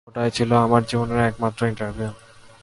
ওটাই ছিল আমার জীবনের একমাত্র ইন্টারভিউ।